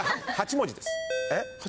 ８文字です。